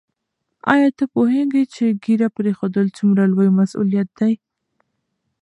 آیا ته پوهېږې چې ږیره پرېښودل څومره لوی مسؤلیت دی؟